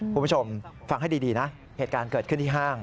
คุณผู้ชมฟังให้ดีนะเหตุการณ์เกิดขึ้นที่ห้าง